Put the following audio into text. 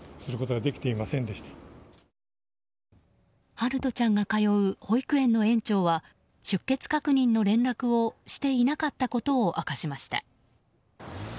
陽翔ちゃんが通う保育園の園長は出欠確認の連絡をしていなかったことを明かしました。